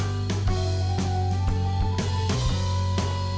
itu udah ngahah d reproduksi dia gitu ya